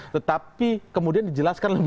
tetapi kemudian dijelaskan lebih dalam lagi